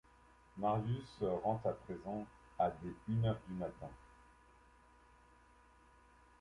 Marius rentre à présent à des une heure du matin.